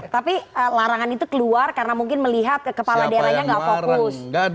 tapi larangan itu keluar karena mungkin melihat kepala daerahnya nggak fokus